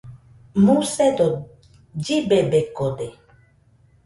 Musedo llibebekode